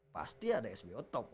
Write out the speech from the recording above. pasti ada sbo top